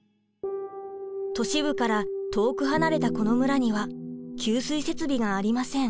都市部から遠く離れたこの村には給水設備がありません。